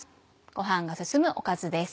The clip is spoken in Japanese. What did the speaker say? ご飯が進むおかずです。